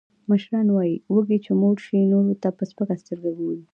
مشران وایي، وږی چې موړ شي، نورو ته په سپکه سترگه گوري.